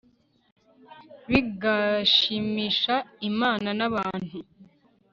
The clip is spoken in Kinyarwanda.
bigashimisha imana n'abantu